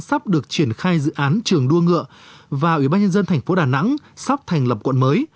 sắp được triển khai dự án trường đua ngựa và ủy ban nhân dân thành phố đà nẵng sắp thành lập quận mới